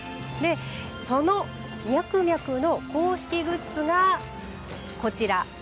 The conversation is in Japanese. そのミャクミャクの公式グッズがこちら。